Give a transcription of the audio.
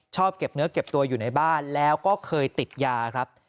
เก็บเนื้อเก็บตัวอยู่ในบ้านแล้วก็เคยติดยาครับ